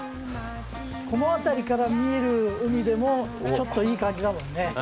この辺りから見える海でもちょっといい感じだもんね。